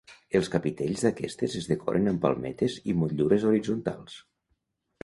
Els capitells d'aquestes es decoren amb palmetes i motllures horitzontals.